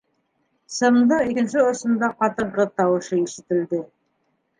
Сымдың икенсе осонда ҡатын-ҡыҙ тауышы ишетелде: